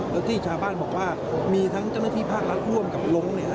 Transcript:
แล้วที่ชาวบ้านบอกว่ามีทั้งเจ้าหน้าที่ภาครัฐร่วมกับลง